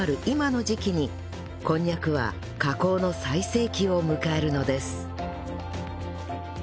今の時期にこんにゃくは加工の最盛期を迎えるのです